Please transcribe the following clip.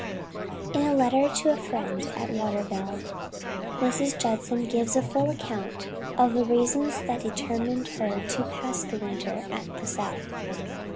In a letter to a friend at Waterville, Mrs. Judson gives a full account of the reasons that determined her to pass the winter at the south.